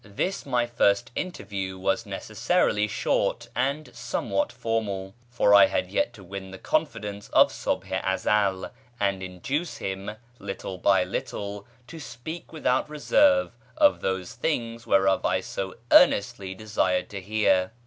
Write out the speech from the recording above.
This my first interview was necessarily short and somewhat formal, for I had yet to win the confidence of Subh i Ezel and induce him little by little to speak without reserve of those things whereof I so earnestly desired to hear.